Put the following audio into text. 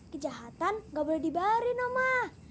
kejahatan gak boleh dibayarin oma